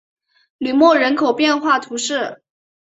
吕莫人口变化图示